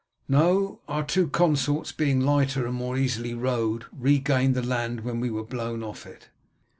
"No; our two consorts, being lighter and more easily rowed, regained the land when we were blown off it."